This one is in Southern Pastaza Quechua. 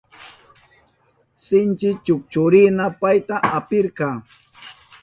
Sinchi chukchurina payta apirka.